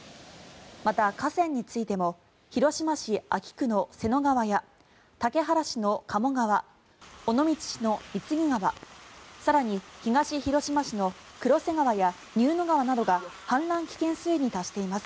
また、河川についても広島市安芸区の瀬野川や竹原市の賀茂川尾道市の御調川更に、東広島市の黒瀬川や入野川などが氾濫危険水位に達しています。